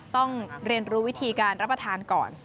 ต้องเรียนรู้วิธีการรับประทานก่อน